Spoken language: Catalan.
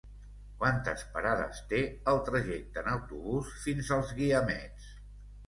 Quantes parades té el trajecte en autobús fins als Guiamets?